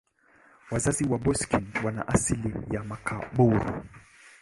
Wazazi wa Boeseken wana asili ya Makaburu.